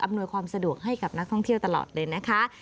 นวยความสะดวกให้กับนักท่องเที่ยวตลอดเลยนะคะ